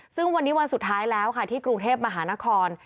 ซึ่งวันนี้วันสุดท้ายแล้วค่ะที่กรุงเทพมหานคร